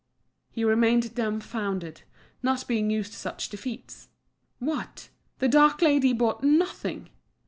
He remained dumbfounded, not being used to such defeats. What! the dark lady bought nothing!